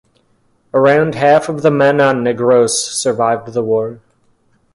Around half of the men on Negros survived the war.